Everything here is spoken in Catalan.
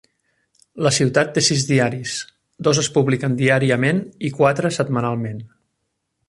La ciutat té sis diaris; dos es publiquen diàriament i quatre setmanalment.